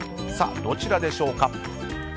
どちらでしょうか。